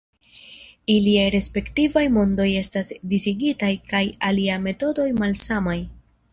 Iliaj respektivaj mondoj estas disigitaj kaj ilia metodoj malsamaj.